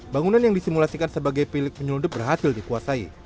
bangunan yang disimulasikan sebagai pilih penjelunduk berhasil dikuasai